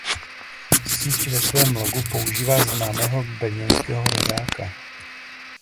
Síť ve svém logu používá známého brněnského draka.